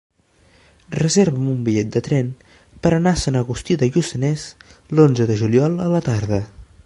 Reserva'm un bitllet de tren per anar a Sant Agustí de Lluçanès l'onze de juliol a la tarda.